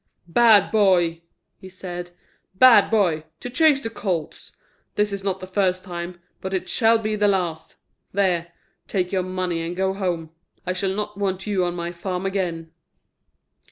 "Bad boy!" he said, "bad boy! to chase the colts. This is not the first time, but it shall be the last. There take your money and go home; I shall not want you on my farm again."